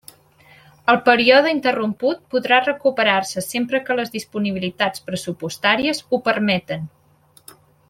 El període interromput podrà recuperar-se sempre que les disponibilitats pressupostàries ho permeten.